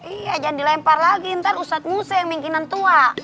iya jangan dilempar lagi ntar usat musa yang mungkinan tua